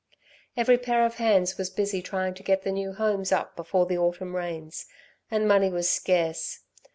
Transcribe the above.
Every pair of hands were busy trying to get the new homes up before the autumn rains; and money was scarce.